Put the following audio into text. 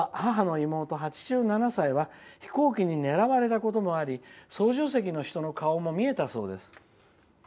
８７歳は飛行機に狙われたこともあり操縦席の人の顔も見えたそうです」。